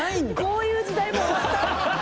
こういう時代も終わった？